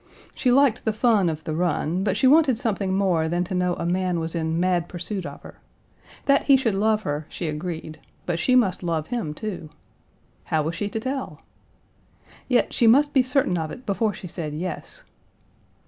She liked the fun of the run, but she wanted something more than to know a man was in mad pursuit of her; that he should love her, she agreed, but she must love him, too. How was she to tell? Yet she must be certain of it before she said "Yes."